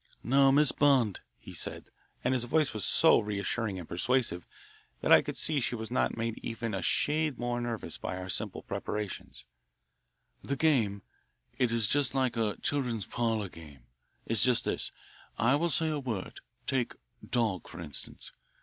"Now, Miss Bond," he said, and his voice was so reassuring and persuasive that I could see she was not made even a shade more nervous by our simple preparations, "the game it is just like a children's parlour game is just this: I will say a word take 'dog,' for instance.